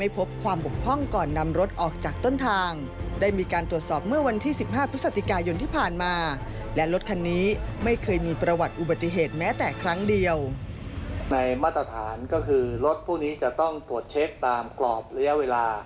พบความปกพ่องก่อนนำรถออกจากต้นทางได้มีการตรวจสอบเมื่อวันที่๑๕พฤศติกายนที่ผ่านมาและรถคันนี้ไม่เคยมีประวัติอุบัติเหตุแม้แต่ครั้งเดียว